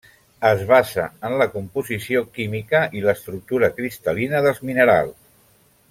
Es basa en la composició química i l'estructura cristal·lina dels minerals.